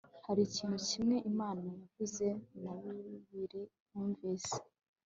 hari ikintu kimwe imana yavuze, na bibiri numvise